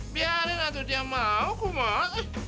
biarin atuh diam sama aku mak